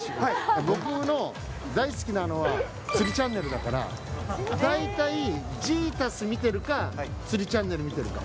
僕の大好きなのは、釣りチャンネルだから、大体じーたす見てるか、釣りチャンネル見てるか。